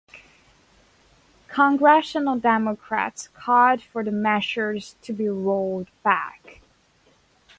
Congressional Democrats called for the measures to be rolled back.